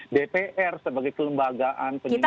dpr sebagai kelembagaan penyimbang pemerintahan